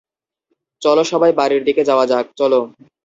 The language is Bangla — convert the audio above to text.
চলো সবাই বাড়ির দিকে যাওয়া যাক, চলো।